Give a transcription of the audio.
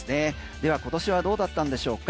では今年はどうだったんでしょうか？